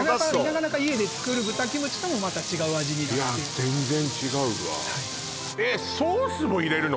なかなか家で作る豚キムチともまた違う味になるっていう全然違うわえっソースも入れるの？